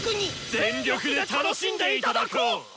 全力で楽しんで頂こう！